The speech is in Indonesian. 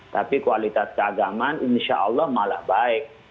tapi kualitas keagaman insya allah malah baik